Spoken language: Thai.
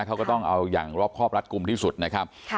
เขาก็ต้องเอาอย่างรอบครอบรัดกลุ่มที่สุดนะครับ